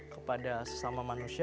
kepada sesama manusia